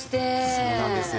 そうなんですよ。